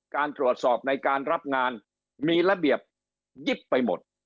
การตรวจสอบในการรับงานมีระเบียบยิบไปหมด